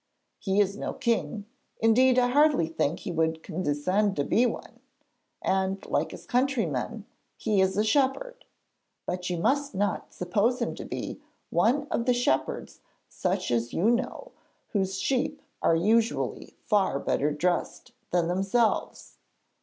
He is no king indeed I hardly think he would condescend to be one and, like his countrymen, he is a shepherd. But you must not suppose him to be one of the shepherds such as those you know, whose sheep are usually far better dressed than themselves.